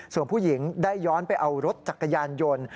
ส่วนผู้หญิงได้ย้อนไปเอารถจักรยานยนต์